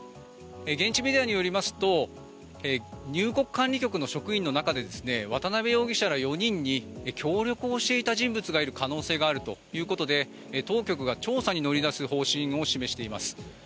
現地メディアによりますと入国管理局の職員の中で渡邉容疑者ら４人に協力をしていた人物がいる可能性があるということで当局が調査に乗り出す方針を示しています。